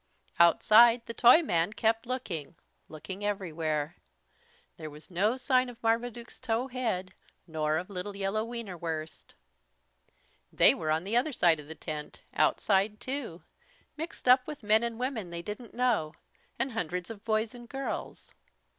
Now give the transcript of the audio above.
Outside, the Toyman kept looking, looking everywhere. There was no sign of Marmaduke's tow head nor of little yellow Wienerwurst. They were on the other side of the tent, outside too, mixed up with men and women they didn't know, and hundreds of boys and girls.